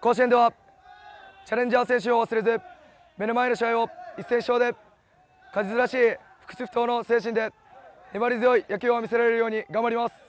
甲子園ではチャレンジャー精神を忘れず目の前の試合を一戦一勝で鹿実らしい不屈不撓の精神で粘り強い野球を見せられるように頑張ります。